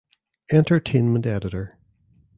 Entertainment editor.